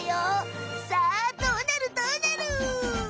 さあどうなるどうなる！？